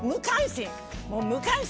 無関心。